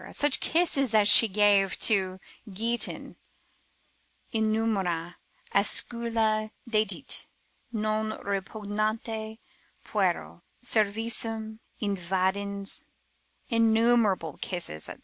such kisses as she gave to Gyton, innumera oscula dedit non repugnanti puero, cervicem invadens, innumerable kisses, &c.